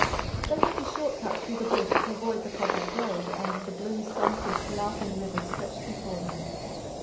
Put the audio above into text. They went a shortcut through the bush to avoid the public road, and the blue, sun kissed, laughing river stretched before them.